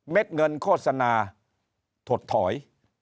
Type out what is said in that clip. เม็ดเงินโฆษณาถดถอย